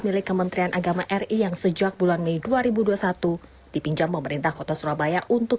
milik kementerian agama ri yang sejak bulan mei dua ribu dua puluh satu dipinjam pemerintah kota surabaya untuk